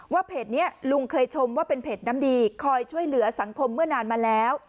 เพจนี้ลุงเคยชมว่าเป็นเพจน้ำดีคอยช่วยเหลือสังคมเมื่อนานมาแล้ว